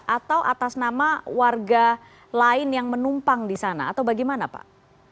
atau atas nama warga lain yang menumpang di sana atau bagaimana pak